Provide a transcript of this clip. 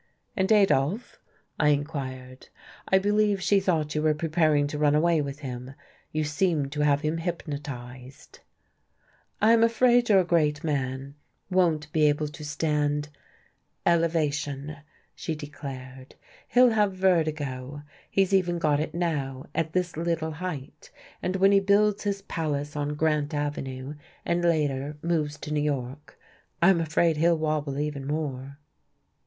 "And Adolf?" I inquired. "I believe she thought you were preparing to run away with him. You seemed to have him hypnotized." "I'm afraid your great man won't be able to stand elevation," she declared. "He'll have vertigo. He's even got it now, at this little height, and when he builds his palace on Grant Avenue, and later moves to New York, I'm afraid he'll wobble even more."